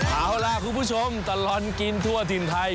เอาล่ะคุณผู้ชมตลอดกินทั่วถิ่นไทย